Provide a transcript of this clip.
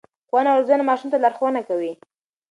ښوونه او روزنه ماشوم ته لارښوونه کوي.